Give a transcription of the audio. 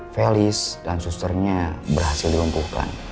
felis dan susternya berhasil dilumpuhkan